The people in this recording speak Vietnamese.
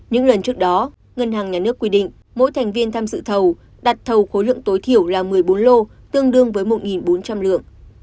những lần trước đó ngân hàng nhà nước quy định mỗi thành viên tham dự thầu đặt thầu khối lượng tối thiểu là một mươi bốn lô tương đương với một bốn trăm linh lượng